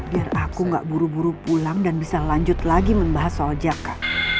biar aku gak buru buru pulang dan bisa lanjut lagi membahas soal jaka